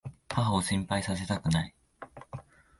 母を心配させたくない。